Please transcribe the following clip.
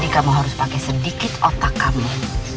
kamu harus pakai sedikit otak kami